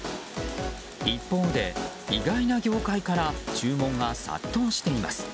一方で、意外な業界から注文が殺到しています。